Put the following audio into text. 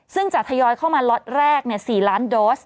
ซึ่งจะทยอยเข้ามาล็อตแรก๔ล้านโดส